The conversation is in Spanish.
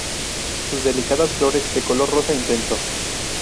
Sus delicadas flores de color rosa intenso.